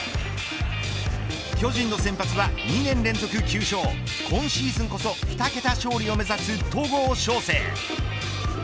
巨人の先発は２年連続９勝今シーズンこそ２桁勝利を目指す戸郷翔征。